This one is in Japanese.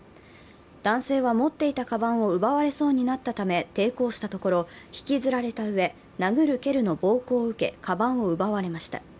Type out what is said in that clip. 男性は持っていたかばんを奪われそうになったため、抵抗したところ引きずられたうえ殴る蹴るの暴行を受け、かばんを奪われました。